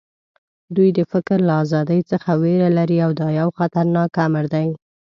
دوی د فکر له ازادۍ څخه وېره لري او دا یو خطرناک امر دی